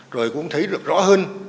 rồi cũng thấy được rõ hơn